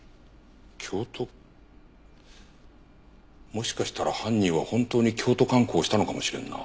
もしかしたら犯人は本当に京都観光をしたのかもしれんな。